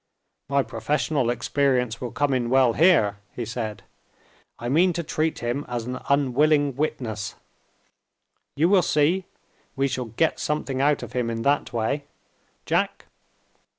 "My professional experience will come in well here," he said; "I mean to treat him as an unwilling witness; you will see we shall get something out of him in that way. Jack!"